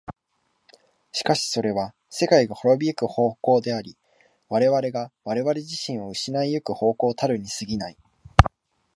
しかしそれは世界が亡び行く方向であり、我々が我々自身を失い行く方向たるに過ぎない。